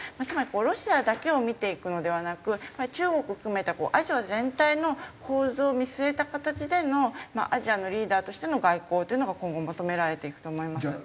つまりロシアだけを見ていくのではなく中国含めたアジア全体の構図を見据えた形でのアジアのリーダーとしての外交というのが今後求められていくと思います。